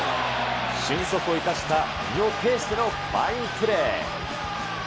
俊足を生かした、身をていしてのファインプレー。